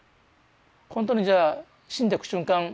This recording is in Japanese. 本当にじゃあ死んでく瞬間